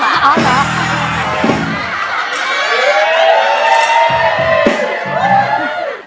อ๋อเหรอ